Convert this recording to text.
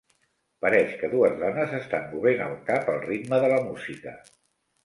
Pareix que dues dones estan movent el cap al ritme de la música.